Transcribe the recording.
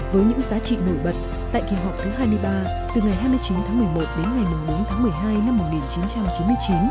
với những giá trị nổi bật tại kỳ họp thứ hai mươi ba từ ngày hai mươi chín tháng một mươi một đến ngày bốn tháng một mươi hai năm một nghìn chín trăm chín mươi chín